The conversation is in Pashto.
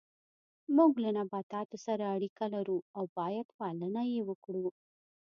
موږ له نباتاتو سره اړیکه لرو او باید پالنه یې وکړو